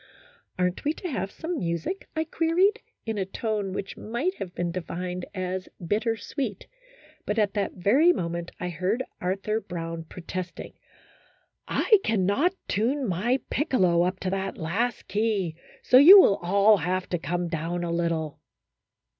" Aren't we to have some music?" I queried, in a tone which might have been defined as bitter sweet ; but at that very moment I heard Arthur Brown protesting, " I cannot tune my piccolo up to that last key, so you will all have to come down a little."